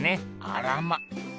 あらま。